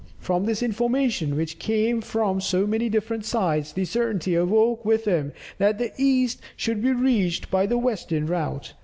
From this information, which came from so many different sides, the certainty awoke within him that the east could be reached by the western route.